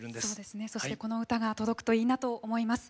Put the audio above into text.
そしてこの歌が届くといいなと思います。